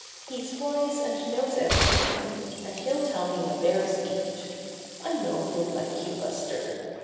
He's wise and knows everything, and he'll tell me what bears eat. I know he'll like you, Buster."